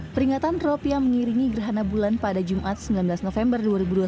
peringatan rop yang mengiringi gerhana bulan pada jumat sembilan belas november dua ribu dua puluh